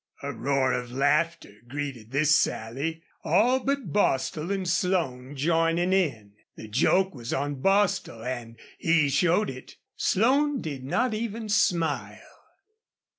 A roar of laughter greeted this sally, all but Bostil and Slone joining in. The joke was on Bostil, and he showed it. Slone did not even smile.